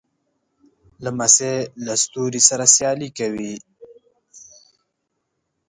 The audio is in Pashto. لمسی له ستوري سره سیالي کوي.